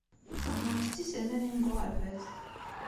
Txeddmemt d tiselmadin deg uɣerbaz.